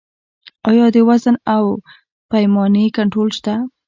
آیا د وزن او پیمانې کنټرول شته؟